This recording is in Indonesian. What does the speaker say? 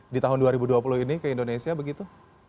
di tahun dua ribu dua puluh ini ke indonesia begitu